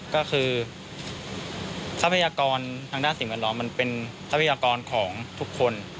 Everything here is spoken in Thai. ก็คือทรัพยากรทางด้านสิ่งแวดล้อมมันเป็นทรัพยากรของทุกคน